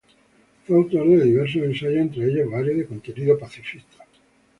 Fue autor de diversos ensayos, entre ellos varios de contenido militar.